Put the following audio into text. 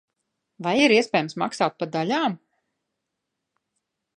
Vai ir iespējams maksāt pa daļām?